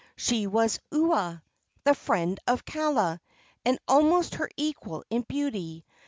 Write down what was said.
She was Ua, the friend of Kaala, and almost her equal in beauty.